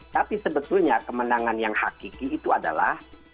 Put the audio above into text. tapi sebetulnya kemenangan yang hakiki itu adalah